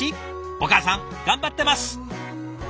お母さん頑張ってます！